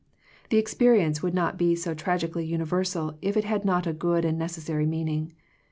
The experience would not be so trag ically universal, if it had not a good and necessary meaning.